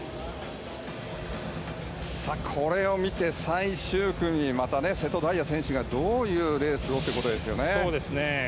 これを見て、最終組瀬戸大也選手がどういうレースをってことですよね。